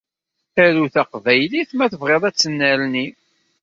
Aru taqbaylit ma tebɣiḍ ad tennerni.